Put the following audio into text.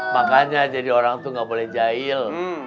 makanya jadi orang tuh gak boleh jahil